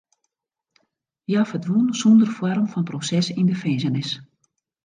Hja ferdwûn sonder foarm fan proses yn de finzenis.